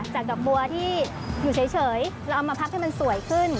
จากดอกบัวที่อยู่เฉยเราเอามาพับให้มันสวยขึ้น